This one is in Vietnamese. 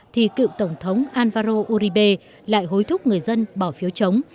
thì cựu tổng thống alvaro uribe lại hối thúc người dân bỏ phiếu chống